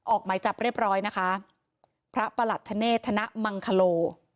ออกหมายจับเรียบร้อยนะคะพระประหลัดธเนธนมังคโล